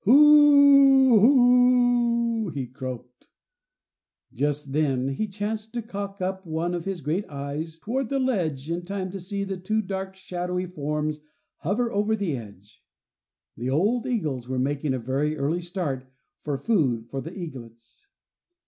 "Who, ho, ho ho," he croaked. Just then he chanced to cock up one of his great eyes toward the ledge in time to see two dark shadowy forms hover over the edge. The old eagles were making a very early start for food for the eaglets.